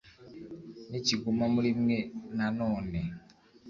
Nikiguma muri mwe nanone